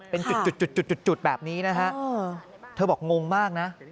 เป็นจุดแบบนี้นะฮะเธอบอกงงมากนะ